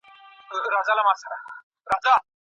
چارواکي به نړیوالي اړیکي پیاوړي کړي.